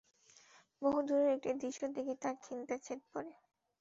বহু দূরের একটি দৃশ্য দেখে তার চিন্তায় ছেদ পড়ে।